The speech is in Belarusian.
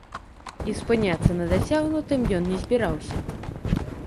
І спыняцца на дасягнутым ён не збіраўся.